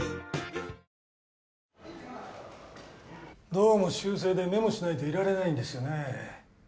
どうも習性でメモしないといられないんですよねえ。